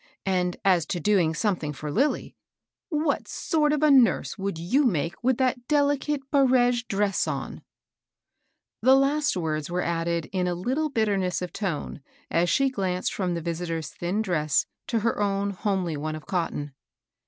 And as to doing something for Lilly, what sort of a nurse would you make with that delicate barege dress on ?" The last words were added in a little bitterness of tone, as she glanced from the visitor's thin dress to her own homely one of cotton.